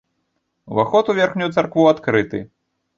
Уваход у верхнюю царкву адкрыты.